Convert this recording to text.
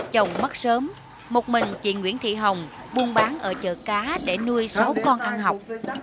chồng mất sớm một mình chị nguyễn thị hồng buôn bán ở chợ cá để nuôi sáu con ăn học